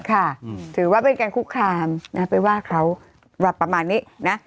ถือว่าเป็นการคุกคามนะไปว่าเขาประมาณนี้นะ